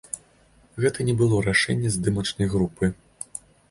Гэта не было рашэнне здымачнай групы.